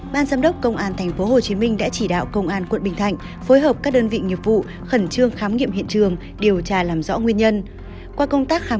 ban giám đốc công an tp hcm đã chỉ đạo công an quận bình thạnh phối hợp các đơn vị nghiệp vụ khẩn trương khám nghiệm hiện trường điều tra làm rõ nguyên nhân